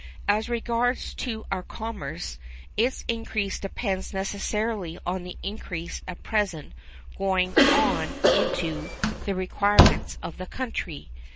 As regards our commerce, its increase depends necessarily on the increase at present going on in the requirements of the country.